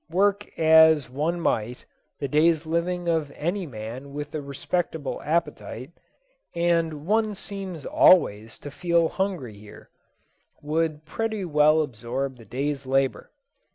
Work as one might, the day's living of any man with a respectable appetite and one seems always to feel hungry here would pretty well absorb the day's labour.